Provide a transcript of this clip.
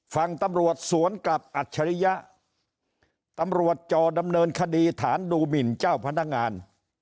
ฝั่งตำรวจสวนกลับอัจฉริยะตำรวจจอดำเนินคดีฐานดูหมินเจ้าพนักงาน